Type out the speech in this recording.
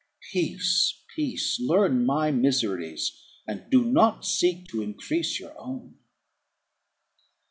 Peace, peace! learn my miseries, and do not seek to increase your own."